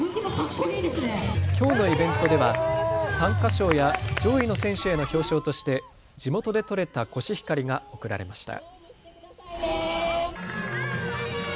きょうのイベントでは参加賞や上位の選手への表彰として地元で取れたコシヒカリが贈られました。